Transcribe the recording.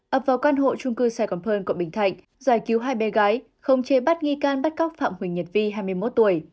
ập vào quan hộ trung cư saigon pearl cộng bình thạnh giải cứu hai bé gái không chế bắt nghi can bắt cóc phạm huỳnh nhật vi hai mươi một tuổi